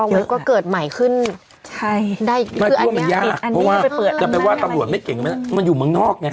เว็บก็เกิดใหม่ขึ้นใช่ไม่ยากมันอยู่เมืองนอกไง